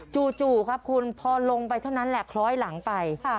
จู่ครับคุณพอลงไปเท่านั้นแหละคล้อยหลังไป